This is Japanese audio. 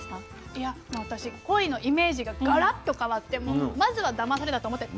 いや私コイのイメージがガラッと変わってまずはだまされたと思って食べてほしい。